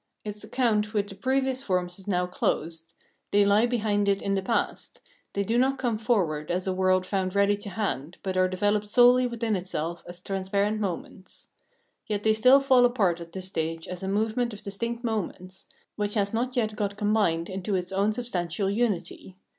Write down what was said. Its account with its previous forms is now closed ; they lie behind it in the past ; they do not come forward as a world found ready to hand, but are developed solely within itself as transparent moments. Yet they still fall apart at this stage as a movement of distinct moments, which has not yet got combined into its own substantial unity.